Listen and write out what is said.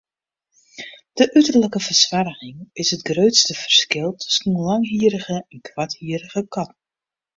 De uterlike fersoarging is it grutste ferskil tusken langhierrige en koarthierrige katten.